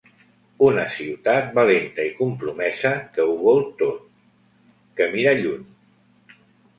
Una ciutat valenta i compromesa que ho vol tot, que mira lluny.